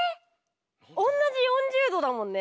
おんなじ４０℃だもんね。